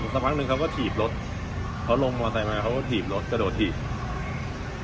สักพักหนึ่งเขาก็ถีบรถเขาลงมอไซค์มาเขาก็ถีบรถกระโดดถีบ